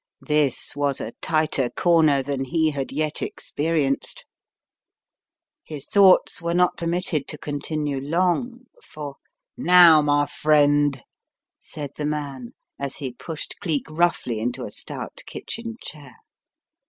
This was a tighter corner than he had yet experienced. His thoughts were not permitted to continue long, for "Now, my friend," said the man, as he pushed Cleek roughly into a stout kitchen chair.